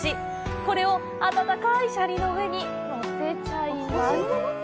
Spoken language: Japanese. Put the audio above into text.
これを温かいシャリの上にのせちゃいます！